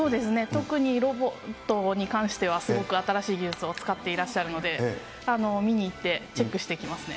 特にロボットに関しては、すごく新しい技術を使っていらっしゃるので、見に行って、チェックしてきますね。